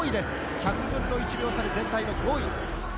１００分の１秒差で全体の５位。